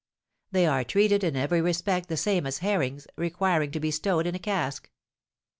They are treated in every respect the same as herrings, requiring to be stowed in a cask.